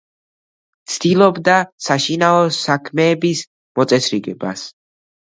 ცდილობდა საშინაო საქმეების მოწესრიგებას.